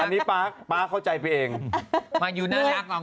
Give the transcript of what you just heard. อันนี้ป๊าเข้าใจพี่เองมายูน่ารักเหรอ